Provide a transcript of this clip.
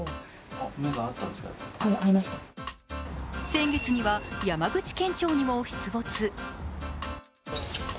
先月には山口県庁にも出没。